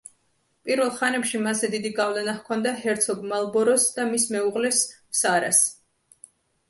პირველ ხანებში მასზე დიდი გავლენა ჰქონდა ჰერცოგ მალბოროს და მის მეუღლეს, სარას.